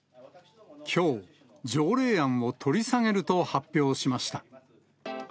きょう、条例案を取り下げると発表しました。